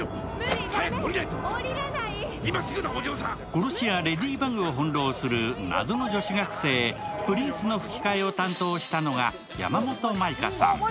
殺し屋レディバグを翻弄する謎の女子学生・プリンスの吹き替えを担当したのが山本舞香さん。